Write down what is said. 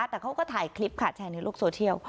แต่เขาก็ถ่ายคลิปค่ะแชร์ในโลกโซเชียล